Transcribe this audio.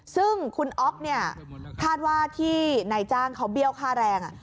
ซึ่งคุณอ๊อฟเนี่ยคาดว่าที่นายจ้างเขาเบี้ยวค่าแรง